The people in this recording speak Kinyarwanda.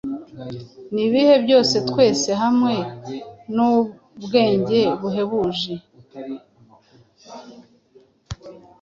Nibihe byose twese hamwe nubwenge buhebuje